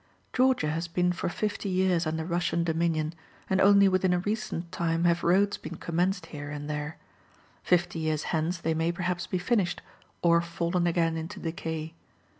Georgia has been for fifty year under Russian dominion, and only within a recent time have roads been commenced here and there. Fifty years hence, they may, perhaps, be finished, or fallen again into decay.